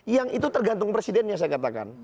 yang itu tergantung presidennya saya katakan